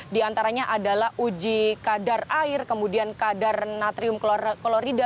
diantaranya adalah uji kadar air kemudian kadar natrium klorida